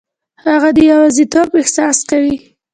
هغه د یوازیتوب احساس کوي.